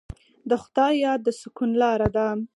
د خدای یاد د سکون لاره ده.